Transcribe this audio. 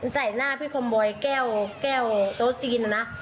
ใส่หน้าพี่คมบอยแก้วโต๊ะจีนนะ